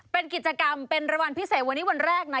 เป็นกิจกรรมเป็นรางวัลพิเศษวันนี้วันแรกนะ